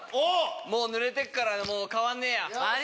もう濡れてっから変わんねえや！